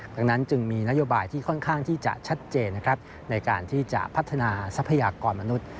ดังนั้นจึงมีนโยบายที่ค่อนข้างที่จะชัดเจนนะครับในการที่จะพัฒนาทรัพยากรมนุษย์